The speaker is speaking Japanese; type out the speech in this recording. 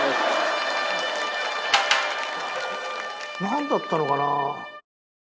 なんだったのかな。